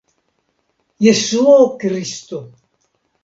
Jesuo Kristo!